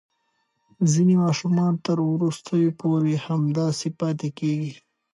ځینې ماشومان تر وروستیو پورې همداسې پاتې کېږي.